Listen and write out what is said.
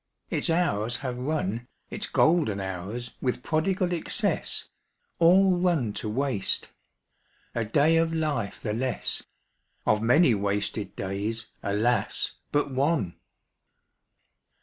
Its hours have run, Its golden hours, with prodigal excess, All run to waste. A day of life the less; Of many wasted days, alas, but one!